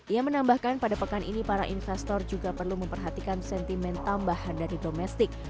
ia menambahkan pada pekan ini para investor juga perlu memperhatikan sentimen tambahan dari domestik